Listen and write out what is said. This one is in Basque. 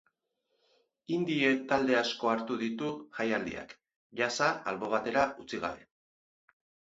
Indie talde asko hartuko ditu jaialdiak, jazza albo batera utzi gabe.